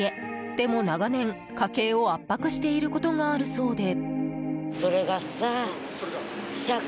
でも長年、家計を圧迫していることがあるそうで。